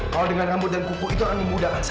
kalau dengan rambut dan kuku itu akan memudahkan saya